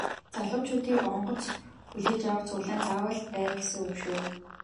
Залуучуудыг онгоц хүлээж авах цуглаанд заавал бай гэсэн шүү.